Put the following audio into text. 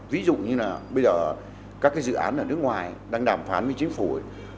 ví dụ như là bây giờ các dự án ở nước ngoài đang đàm phán với chính phủ làm kết thúc